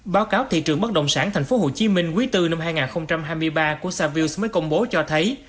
báo cáo thị trường bất động sản thành phố hồ chí minh quý iv năm hai nghìn hai mươi ba của savills mới công bố cho thấy